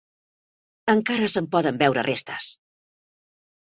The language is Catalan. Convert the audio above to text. Encara se'n poden veure restes.